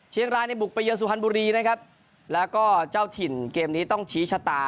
เชียงรายในบุกไปเยินสุพรรณบุรีนะครับแล้วก็เจ้าถิ่นเกมนี้ต้องชี้ชะตา